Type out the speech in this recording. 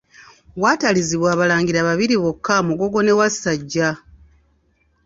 Waatalizibwa abalangira babiri bokka Mugogo ne Wassajja.